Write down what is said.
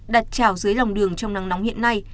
đặt trào dưới lòng đường trong nắng nóng hiện nay